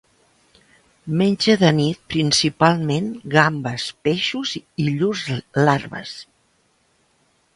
Menja de nit principalment gambes, peixos i llurs larves.